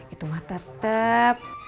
itu mah tetep